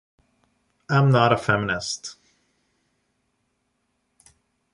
I'm not a feminist.